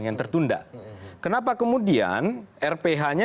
yang tertunda kenapa kemudian rph nya